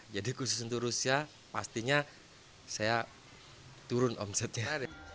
jadi khusus untuk rusia pastinya saya turun omsetnya